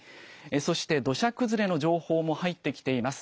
そして、土砂崩れの情報も入ってきています。